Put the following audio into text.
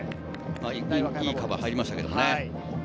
いいカバーが入りましたけどね。